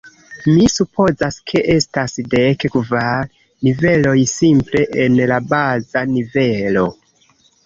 Mi supozas ke estas dek kvar niveloj simple en la baza nivelo.